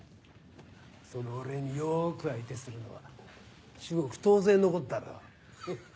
そのお礼によく相手するのは至極当然のことだろフッ。